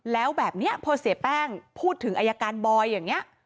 แล้วแบบนี้พอเสียแป้งพูดถึงอายการบอยอย่างนี้